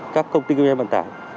các công ty nghiêm vận tải